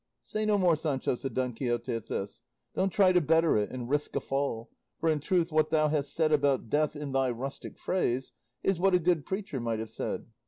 "Say no more, Sancho," said Don Quixote at this; "don't try to better it, and risk a fall; for in truth what thou hast said about death in thy rustic phrase is what a good preacher might have said.